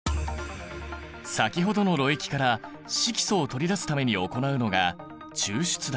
先ほどのろ液から色素を取り出すために行うのが抽出だ。